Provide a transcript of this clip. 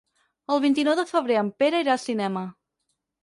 El vint-i-nou de febrer en Pere irà al cinema.